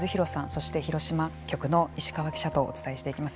そして広島局の石川記者とお伝えしていきます。